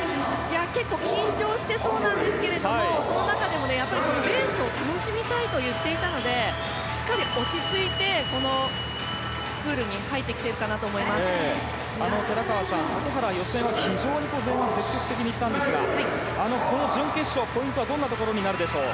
結構緊張していそうなんですけどその中でもレースを楽しみたいと言っていたのでしっかり落ち着いてプールに寺川さん、竹原は予選は非常に前半積極的に行ったんですがこの準決勝、ポイントはどんなところになるでしょう？